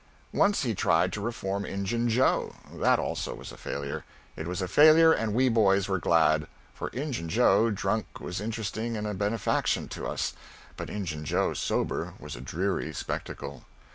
Once he tried to reform Injun Joe. That also was a failure. It was a failure, and we boys were glad. For Injun Joe, drunk, was interesting and a benefaction to us, but Injun Joe, sober, was a dreary spectacle.